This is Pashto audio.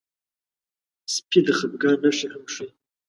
سپي د خپګان نښې هم ښيي.